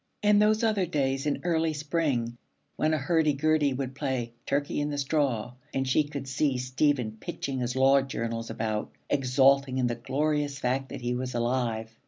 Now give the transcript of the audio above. And those other days in early spring, when a hurdy gurdy would play 'Turkey in the Straw,' and she could see Stephen pitching his Law Journals about, exulting in the glorious fact that he was alive.